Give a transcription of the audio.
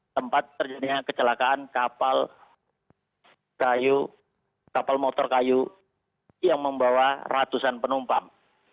tempat terjadinya kecelakaan kapal kayu kapal motor kayu yang membawa ratusan penumpang